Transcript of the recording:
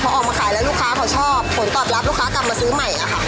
พอออกมาขายแล้วลูกค้าเขาชอบผลตอบรับลูกค้ากลับมาซื้อใหม่ค่ะ